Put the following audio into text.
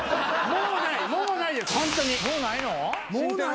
もうないの？